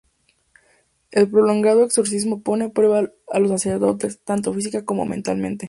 El prolongado exorcismo pone a prueba a los sacerdotes, tanto física como mentalmente.